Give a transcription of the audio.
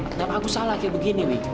kenapa aku salah kayak begini